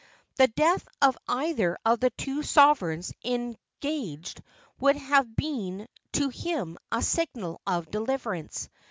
The death of either of the two sovereigns engaged would have been to him a signal of deliverance.